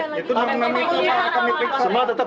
semua tetap praduga tidak bersalah